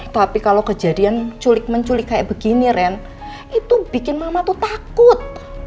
tapi kalau kejadian culik menculik kayak begini ren itu bikin mama tuh takut